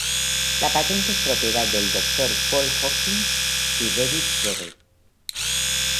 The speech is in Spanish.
La patente es propiedad del Dr. Paul Hawkins y David Sherry.